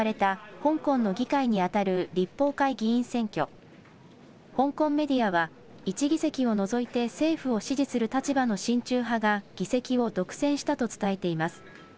香港メディアは、１議席を除いて政府を支持する立場の親中派が議席を独占したと伝えています。